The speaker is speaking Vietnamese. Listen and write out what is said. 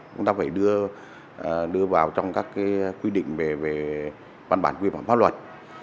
chúng ta phải đưa vào trong các quy định về bàn bản quy bản pháp luật